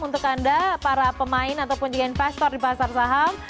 untuk anda para pemain ataupun juga investor di pasar saham